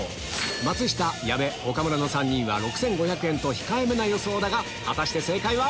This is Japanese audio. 松下矢部岡村の３人は６５００円と控えめな予想だが果たして正解は？